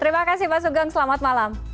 terima kasih pak sugeng selamat malam